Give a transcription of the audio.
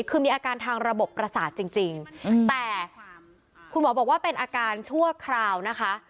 คือมีอาการทางระบบประสาทจริงแต่คุณหมอบอกว่าเป็นอาการชั่วคราวนะคะ